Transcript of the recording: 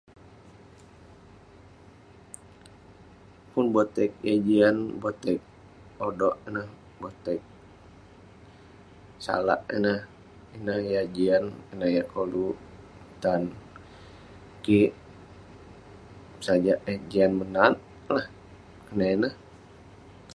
pun botek yah jian, botek odok ineh, botek salak ineh, ineh yah jian..ineh yah koluk tan kik, sajak eh jian menat lah, konak ineh.